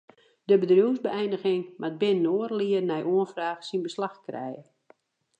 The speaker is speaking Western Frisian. De bedriuwsbeëiniging moat binnen oardel jier nei de oanfraach syn beslach krije.